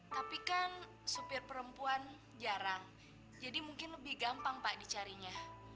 tapi kan supir perempuan jarang jadi mungkin lebih gampang pak dicarinya